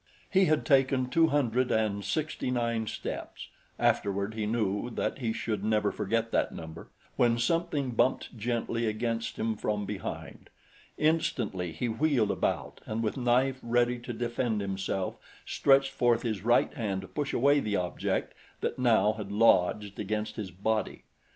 He had taken two hundred and sixty nine steps afterward he knew that he should never forget that number when something bumped gently against him from behind. Instantly he wheeled about and with knife ready to defend himself stretched forth his right hand to push away the object that now had lodged against his body.